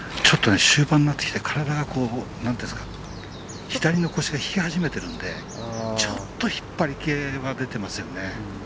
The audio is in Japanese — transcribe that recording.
終盤になってきて体が、左の腰が引き始めているのでちょっと引っ張り系は出てきていますよね。